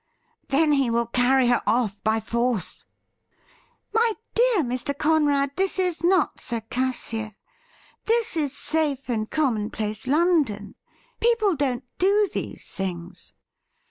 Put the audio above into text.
' Then he will carry her off by force !'' My dear Mr. Conrad, this is not Circassia. This is safe and commonplace London. People don't do these things.'